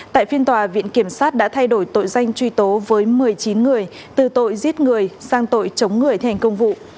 tại phiên tòa viện kiểm sát đã thay đổi tội danh truy tố với một mươi chín người từ tội giết người sang tội chống người thi hành công vụ